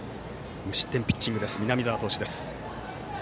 無失点ピッチング、南澤投手です。